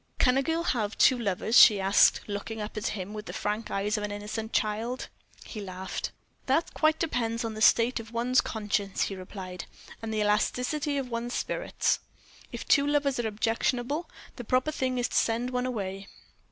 "Can a girl have two lovers?" she asked, looking up at him with the frank eyes of an innocent child. He laughed. "That quite depends on the state of one's conscience," he replied, "and the elasticity of one's spirits. If two lovers are objectionable, the proper thing is to send one away."